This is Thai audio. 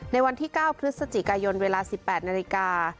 ในวันที่๙พฤศจิกายนเวลา๑๘นาฬิกา